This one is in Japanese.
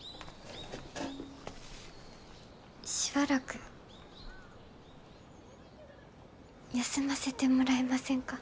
しばらく休ませてもらえませんか？